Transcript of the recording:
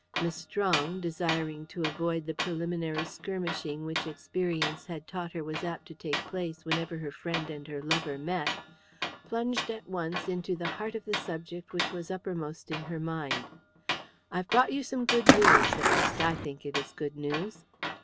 Miss Strong, desiring to avoid the preliminary skirmishing which experience had taught her was apt to take place whenever her friend and her lover met, plunged at once into the heart of the subject which was uppermost in her mind. "I've brought you some good news at least I think it is good news."